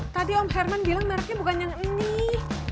tadi om herman bilang mereknya bukan yang ini